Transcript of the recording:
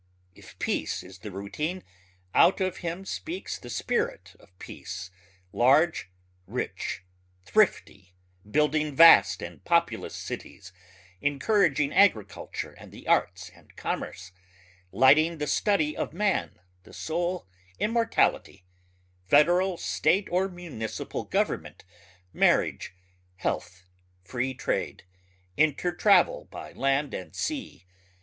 If peace is the routine out of him speaks the spirit of peace, large, rich, thrifty, building vast and populous cities, encouraging agriculture and the arts and commerce lighting the study of man, the soul, immortality federal, state or municipal government, marriage, health, freetrade, intertravel by land and sea